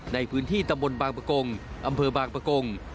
ในพื้นที่ตำบลบางประกงอำเภอบางประกง